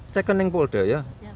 cekan di polda ya